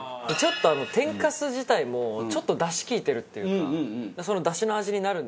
天かす自体もちょっと出汁利いてるっていうかその出汁の味になるんですけど